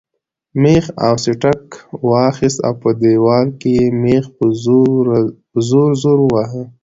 مېخ او سټک واخیست او په دیوال کې یې مېخ په زور زور واهه.